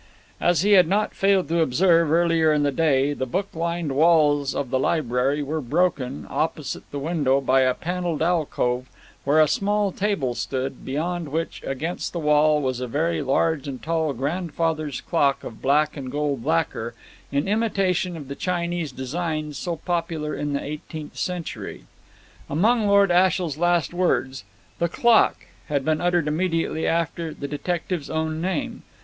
As he had not failed to observe, earlier in the day, the book lined walls of the library were broken, opposite the window, by a panelled alcove where a small table stood, beyond which, against the wall, was a very large and tall grandfather's clock of black and gold lacquer, in imitation of the Chinese designs so popular in the eighteenth century. Among Lord Ashiel's last words, "The clock" had been uttered immediately after the detective's own name.